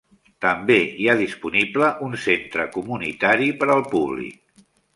També hi ha disponible un centre comunitari per al públic.